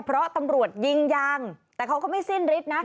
เพราะตำรวจยิงยางแต่เขาก็ไม่สิ้นฤทธินะ